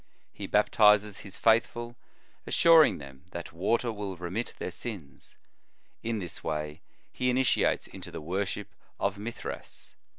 He baptizes his faithful, assuring them that water will remit their sins ; in this way he initiates into the worship of Mithras.